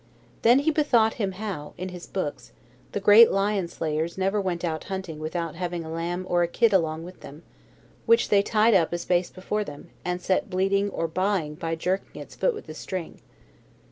Then he bethought him how, in his books, the great lion slayers never went out hunting without having a lamb or a kid along with them, which they tied up a space before them, and set bleating or baa ing by jerking its foot with a string.